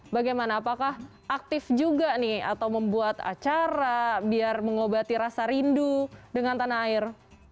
bagaimana apakah aktif juga nih atau membuat acara biar mengobati rasa rindu dengan tanah air